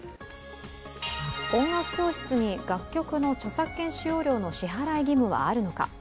音楽教室に楽曲の著作権使用料の支払い義務はあるのか。